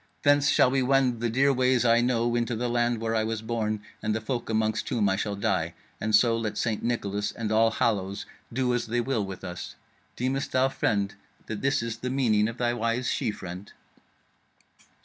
Thence shall we wend the dear ways I know into the land where I was born and the folk amongst whom I shall die. And so let St. Nicholas and All Hallows do as they will with us. Deemest thou, friend, that this is the meaning of thy wise she friend?"